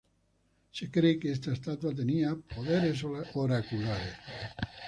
Se cree que esta estatua tenía poderes oraculares.